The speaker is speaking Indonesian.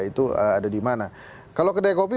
itu ada di mana kalau kedai kopi